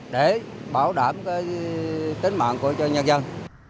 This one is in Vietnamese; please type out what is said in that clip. để bảo đảm tính mạng của cho nhân dân